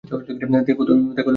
দেখো তো কী করছে, বিশু।